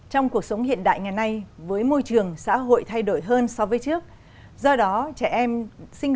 trong cuộc sống hiện đại ngày nay với môi trường xã hội thay đổi hơn so với trước do đó trẻ em sinh